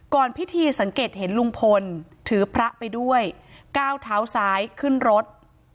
พิธีสังเกตเห็นลุงพลถือพระไปด้วยก้าวเท้าซ้ายขึ้นรถ